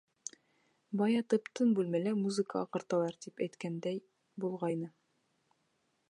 Бая тып-тын бүлмәлә музыка аҡырталар, тип әйткәндәй булғайны.